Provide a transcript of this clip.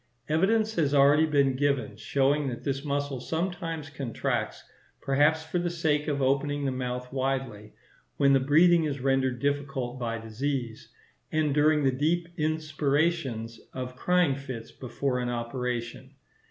Evidence has already been given showing that this muscle sometimes contracts, perhaps for the sake of opening the mouth widely, when the breathing is rendered difficult by disease, and during the deep inspirations of crying fits before an operation.